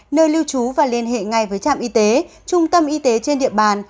nơi lưu trú và liên hệ ngay với trạm y tế trung tâm y tế trên địa bàn